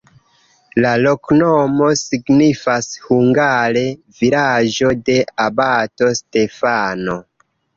La loknomo signifas hungare: vilaĝo de abato Stefano.